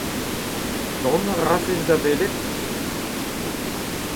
Dont a rafes da welet ?